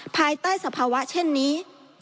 ภายใต้สภาวะเช่นนี้